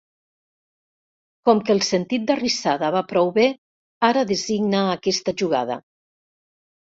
Com que el sentit d'arrissada va prou bé, ara designa aquesta jugada.